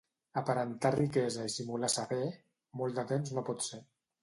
Aparentar riquesa i simular saber, molt de temps no pot ser.